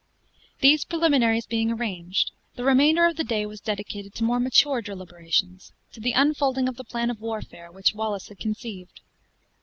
These preliminaries being arranged, the remainder of the day was dedicated to more mature deliberations to the unfolding of the plan of warfare which Wallace had conceived.